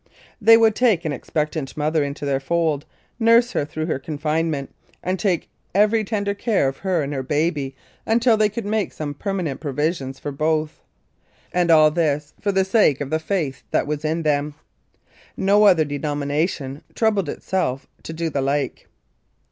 " They would take an expectant mother into their fold, nurse her through her confinement, and take every tender care of her and her baby until they could make some permanent provision for both. And all this for the sake of the faith that was in them. No other denomination troubled itself to do the like.